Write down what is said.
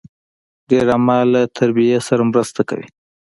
ډرامه له تربیې سره مرسته کوي